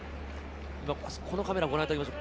このカメラをご覧いただきましょう。